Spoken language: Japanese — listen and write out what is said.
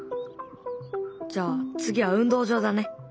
じゃあ次は運動場だね。